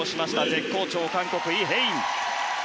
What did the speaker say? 絶好調の韓国、イ・ヘイン。